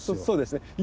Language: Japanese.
そうですね。